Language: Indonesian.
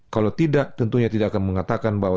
kalau tidak tentunya tidak akan mengatakan bahwa